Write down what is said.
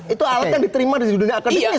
itu alat yang diterima di dunia akademis